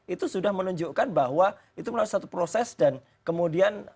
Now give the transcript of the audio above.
itu sudah menunjukkan bahwa itu melalui satu proses dan kemudian